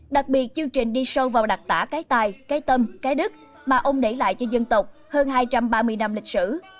đặc biệt chương trình đi sâu vào đặc tả cái tài cái tâm cái đức mà ông để lại cho dân tộc hơn hai trăm ba mươi năm lịch sử